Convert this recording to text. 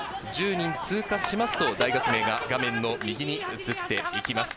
１０人通過しますと大学名が画面の右に映っていきます。